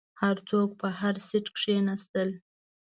هر څوک په هر سیټ کښیناستل.